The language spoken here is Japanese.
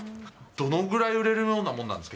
どのぐらい売れるようなものなんですか？